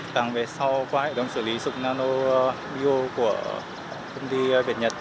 càng về sau qua hệ thống xử lý dục nano bio của công ty việt nhật